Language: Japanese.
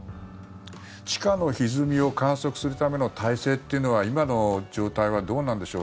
地下のひずみを観測するための体制っていうのは今の状態はどうなんでしょう。